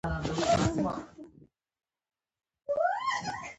لومړی لومړۍ ړومبی